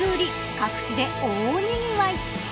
各地で大にぎわい。